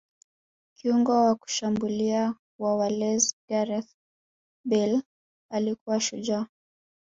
kiungo wa kushambulia wa Wales gareth bale alikuwa shujaa